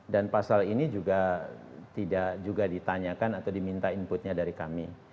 dan pasal ini juga tidak ditanyakan atau diminta inputnya dari kami